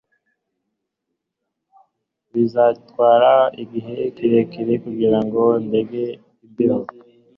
Bizantwara igihe kirekire kugirango ndenge imbeho